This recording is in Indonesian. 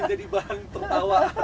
yang jadi bahan tertawa